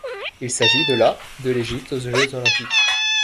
Il s'agit de la de l'Égypte aux Jeux olympiques.